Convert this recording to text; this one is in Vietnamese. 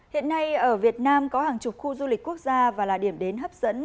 hiện nay ở việt nam có hàng chục khu du lịch quốc gia và là điểm đến hấp dẫn